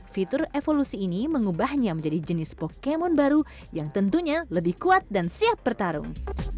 fitur evolusi ini mengubahnya menjadi jenis pokemon baru yang tentunya lebih kuat dan siap bertarung